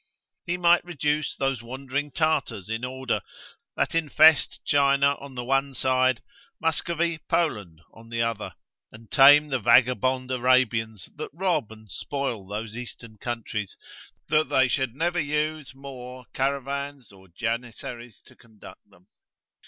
He might reduce those wandering Tartars in order, that infest China on the one side, Muscovy, Poland, on the other; and tame the vagabond Arabians that rob and spoil those eastern countries, that they should never use more caravans, or janissaries to conduct them.